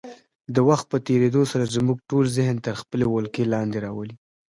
د وخت په تېرېدو سره زموږ ټول ذهن تر خپلې ولکې لاندې راولي.